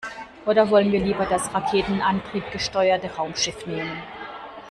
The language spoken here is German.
Oder wollen wir lieber das raketenantriebgesteuerte Raumschiff nehmen?